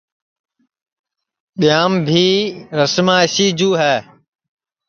ٻیاں بھی رسما اِسی جو ہے